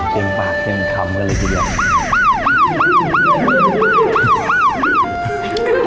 เต็มปากเต็มคำกันเลยทีเดียว